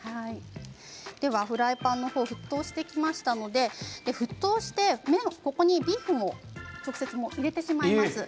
フライパンが沸騰してきましたので沸騰して、ここにビーフンを直接入れてしまいます。